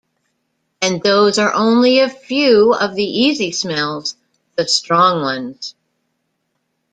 And those are only a few of the easy smells — the strong ones.